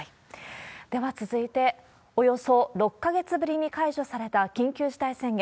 では続いて、およそ６か月ぶりに解除された緊急事態宣言。